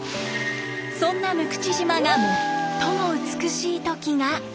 そんな六口島が最も美しい時が。